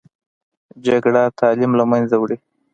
جګړه تعلیم له منځه وړي